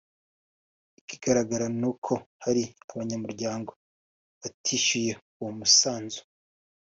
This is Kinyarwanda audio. Ikigaragara n’uko hari abanyamuryango batishyuye uwo musanzu